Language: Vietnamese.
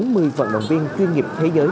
mười vận động viên chuyên nghiệp thế giới